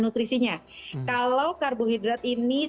nutrisinya kalau karbohidratnya